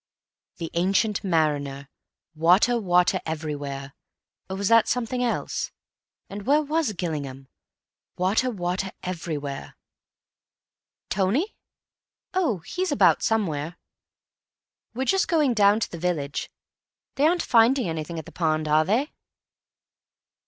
'The Ancient Mariner'—water, water, everywhere—or was that something else? And where was Gillingham? Water, water everywhere... "Tony? Oh, he's about somewhere. We're just going down to the village. They aren't finding anything at the pond, are they?"